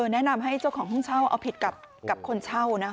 แนะนำให้เจ้าของห้องเช่าเอาผิดกับคนเช่า